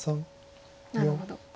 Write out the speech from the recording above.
なるほど。